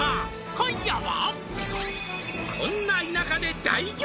「今夜は」